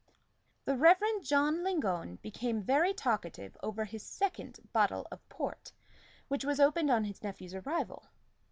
The Reverend John Lingon became very talkative over his second bottle of port, which was opened on his nephew's arrival.